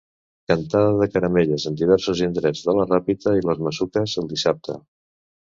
Cantada de caramelles en diversos indrets de La Ràpita i les Masuques el dissabte.